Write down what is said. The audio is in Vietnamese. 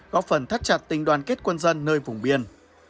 góp phần thắt chặt tình đoàn kết quân dân nơi vùng biên